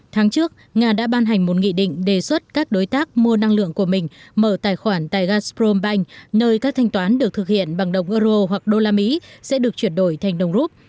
tháng trước nga đã ban hành một nghị định đề xuất các đối tác mua năng lượng của mình mở tài khoản tại gazprom bank nơi các thanh toán được thực hiện bằng đồng euro hoặc đô la mỹ sẽ được chuyển đổi thành đồng rút